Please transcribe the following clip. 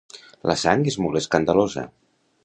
La sang és molt escandalosa.